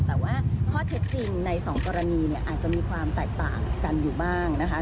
แต่ว่าข้อเท็จจริงในสองกรณีเนี่ยอาจจะมีความแตกต่างกันอยู่บ้างนะคะ